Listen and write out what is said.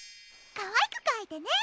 かわいくかいてね。